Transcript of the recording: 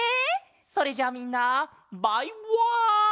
それじゃあみんなバイワン！